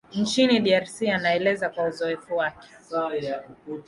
nchini drc anaeleza kwa uzoefu wake